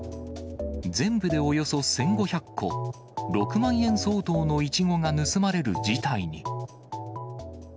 全部でおよそ１５００個、６万円相当のイチゴが盗まれる事態に。